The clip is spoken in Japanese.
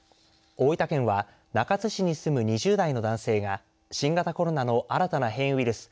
大分県は中津市に住む２０代の男性が新型コロナの新たな変異ウイル